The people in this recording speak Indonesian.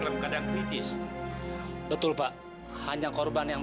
sampai jumpa di video selanjutnya